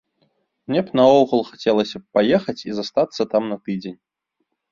Мне б наогул хацелася б паехаць і застацца там на тыдзень.